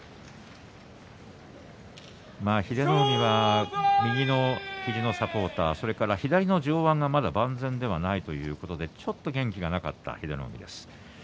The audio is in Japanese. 英乃海は右の肘のサポーター左の上腕がまだ万全ではないということでちょっと元気がなかった英乃海です。